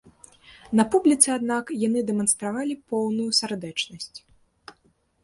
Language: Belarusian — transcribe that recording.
На публіцы, аднак, яны дэманстравалі поўную сардэчнасць.